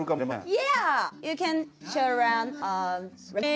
いや！